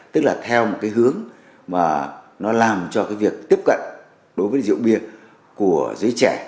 tức là theo một cái hướng mà nó làm cho cái việc tiếp cận đối với rượu bia của giới trẻ